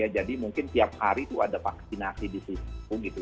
jadi mungkin tiap hari itu ada vaksinasi di situ